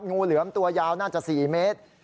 งูเหลือมตัวยาวน่าจะ๔เมตร